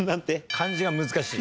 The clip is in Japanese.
漢字が難しい。